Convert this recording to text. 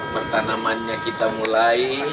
pertanamannya kita mulai